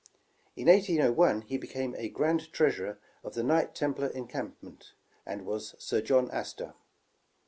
In 1801, he became grand treasurer of the Knight Templar Encampment, and was Sir John Astor.